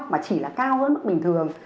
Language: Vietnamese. mà chỉ là cao hơn mức bình thường